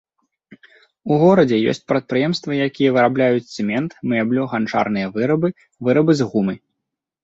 У горадзе ёсць прадпрыемствы, якія вырабляюць цэмент, мэблю, ганчарныя вырабы, вырабы з гумы.